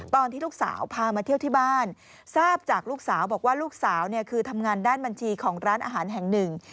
ตอนที่ลูกสาวพามาเที่ยวที่บ้านทราบจากลูกสาวบอกว่าลูกสาวเนี่ยคือทำงานด้านบัญชีของร้านอาหารแห่งหนึ่ง